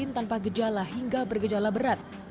tanpa gejala hingga bergejala berat